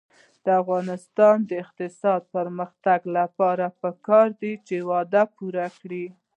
د افغانستان د اقتصادي پرمختګ لپاره پکار ده چې وعده پوره کړو.